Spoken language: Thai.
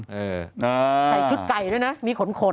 ใส่ชุดไก่ด้วยนะมีขนขน